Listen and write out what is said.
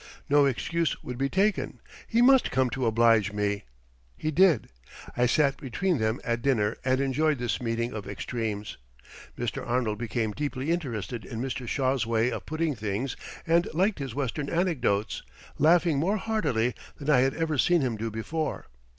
No excuse would be taken; he must come to oblige me. He did. I sat between them at dinner and enjoyed this meeting of extremes. Mr. Arnold became deeply interested in Mr. Shaw's way of putting things and liked his Western anecdotes, laughing more heartily than I had ever seen him do before.